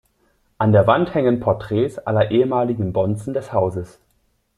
An der Wand hängen Porträts aller ehemaligen Bonzen des Hauses.